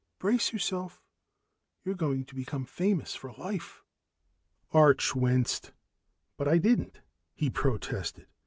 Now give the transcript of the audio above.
Brace yourself you're going to be famous for life." Arch winced. "But I didn't!" he protested.